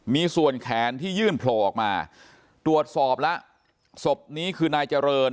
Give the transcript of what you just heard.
มีส่วนแขนที่ยื่นโผล่ออกมาตรวจสอบแล้วศพนี้คือนายเจริญ